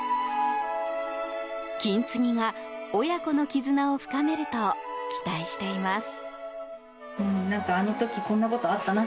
金継ぎが親子の絆を深めると期待しています。